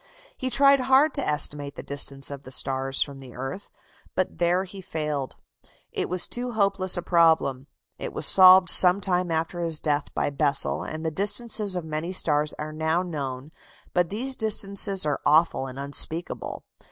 He tried hard to estimate the distance of the stars from the earth, but there he failed: it was too hopeless a problem. It was solved some time after his death by Bessel, and the distances of many stars are now known but these distances are awful and unspeakable.